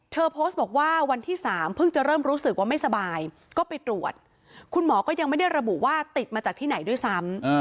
โพสต์บอกว่าวันที่๓เพิ่งจะเริ่มรู้สึกว่าไม่สบายก็ไปตรวจคุณหมอก็ยังไม่ได้ระบุว่าติดมาจากที่ไหนด้วยซ้ำ